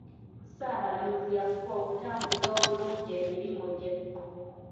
Ssaabalamuzi yafuba okutambuza obulungi emirimu gye